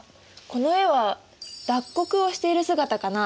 この絵は脱穀をしている姿かな。